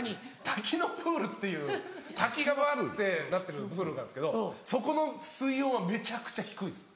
滝のプールっていう滝がバってなってるプールがあるんですけどそこの水温はめちゃくちゃ低いです。